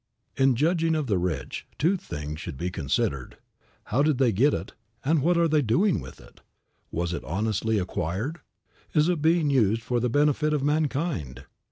In judging of the rich, two things should be considered: How did they get it, and what are they doing with it? Was it honestly acquired? Is it being used for the benefit of mankind?